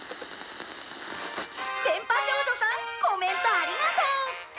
「電波少女さんコメントありがとう！」。